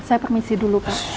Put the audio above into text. saya permisi dulu pak